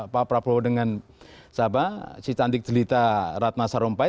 pak prabowo dengan si cantik jelita ratna sarumpait